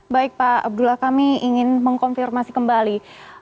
baik pak abdullah kami ingin mengkonfirmasi kembali